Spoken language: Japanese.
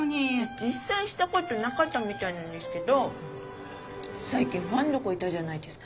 実際したことなかったみたいなんですけど最近ファンの子いたじゃないですか。